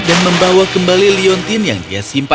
dan membawa kembali leontine yang dia simpan